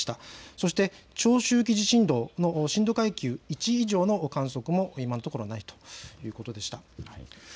そして長周期地震動の震度階級１以上の観測も今のところないということでした。